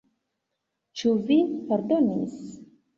Ĉu vi pardonis?